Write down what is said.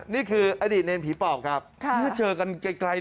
นี่คืออดีตในผีป่องครับถ้าเจอกันไกล